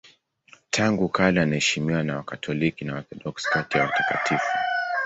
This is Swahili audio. Tangu kale anaheshimiwa na Wakatoliki na Waorthodoksi kati ya watakatifu.